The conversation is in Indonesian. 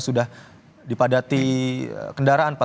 sudah dipadati kendaraan pak